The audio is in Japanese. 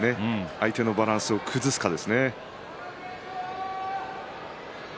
相手のバランスを崩すかですね。